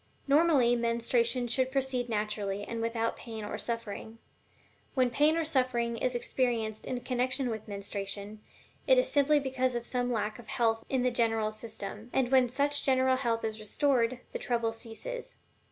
Normally, menstruation should proceed naturally and without pain or suffering. When pain or suffering is experienced in connection with menstruation, it is simply because of some lack of health in the general system; and when such general health is restored, the trouble ceases.